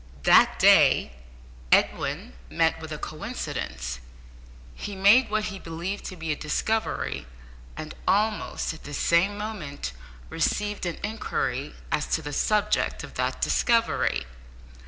That day Edwin met with a coincidence, he made what he believed to be a discovery, and almost at the same moment received an inquiry as to the subject of that discovery.